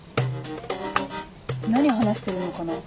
何話してるのかな？